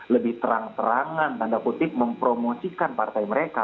lebih terang terangan tanda putih mempromosikan partai mereka